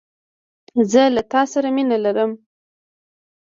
زه له تاسره مينه لرم